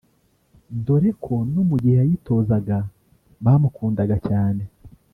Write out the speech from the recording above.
dore ko no mu gihe yayitozaga bamukundaga cyane